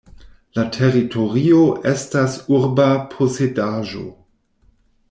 La teritorio estas urba posedaĵo.